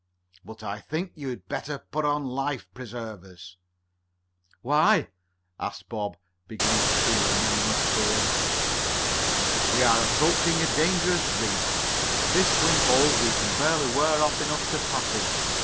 "But I think you had better put on life preservers." "Why?" asked Bob, beginning to feel a nameless fear. "We are approaching a dangerous reef. If this wind holds we can barely wear off enough to pass it.